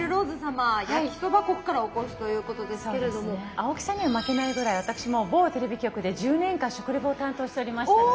青木さんには負けないぐらい私も某テレビ局で１０年間食レポを担当しておりましたので。